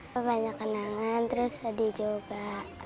kebanyakan angan terus sedih juga